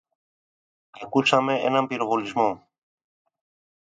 Ακούσαμε έναν πυροβολισμό